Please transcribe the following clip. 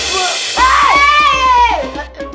mas siti ceritanya panjang